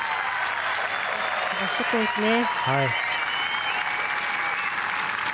ナイスショットですね。